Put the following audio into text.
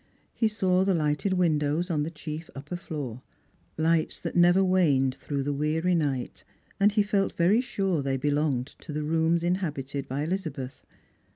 He saw the lighted windows on the chief upper Uoor — lights that never waned through the weary night — and he felt very sure they belonged to the rooms inhabited by EHzabeth.